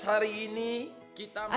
hari ini kita mau berbicara